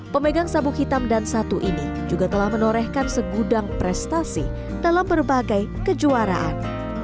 pemegang sabuk hitam dan satu ini juga telah menorehkan segudang prestasi dalam berbagai kejuaraan